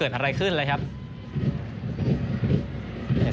ส่วนที่สุดท้ายส่วนที่สุดท้าย